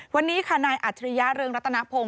วันนี้ค่ะนายอัจฉริยะเรืองรัตนพงศ